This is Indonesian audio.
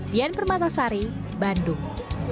dian permatasari bandung